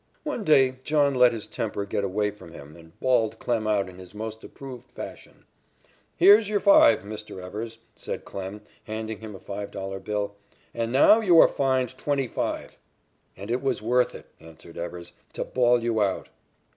One day John let his temper get away from him and bawled Klem out in his most approved fashion. "Here's your five, Mr. Evers," said Klem, handing him a five dollar bill, "and now you are fined $25." "And it was worth it," answered Evers, "to bawl you out."